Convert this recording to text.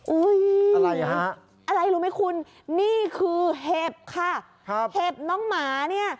อุ๊ยอะไรรู้ไหมคุณนี่คือเห็บค่ะห็บน้องหมาเนี่ย